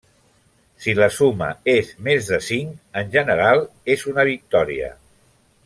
Si la suma és més de cinc, en general és una victòria.